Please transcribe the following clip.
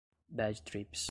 bad-trips